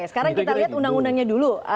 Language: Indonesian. sekarang kita lihat undang undangnya dulu